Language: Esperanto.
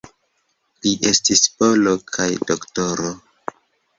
Li estis polo kaj doktoro.